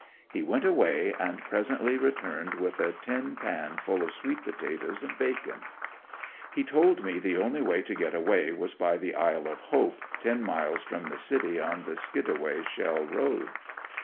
He went away and presently returned with a tin pan full of sweet potatoes and bacon. x * jjg tQl(j jjie the only way to get away was by the Isle of Hope, ten miles from the city on the Skidaway shell road.